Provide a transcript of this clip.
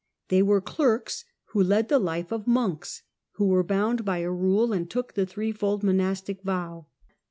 They were clerks who led the life of monks, who were bound by a rule, and took the threefold monastic vow.